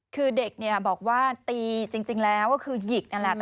คือเด็กบอกว่าตีจริงแล้วก็คือหยิกนั่นแหละ